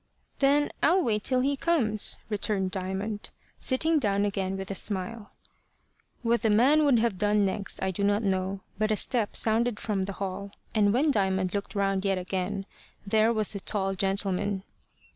"Then I'll wait till he comes," returned Diamond, sitting down again with a smile. What the man would have done next I do not know, but a step sounded from the hall, and when Diamond looked round yet again, there was the tall gentleman.